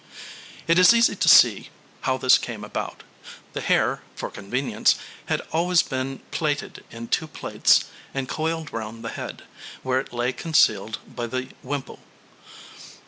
It is easy to see how this came about. The hair, for convenience, had always been plaited in two plaits and coiled round the head, where it lay concealed by the wimple.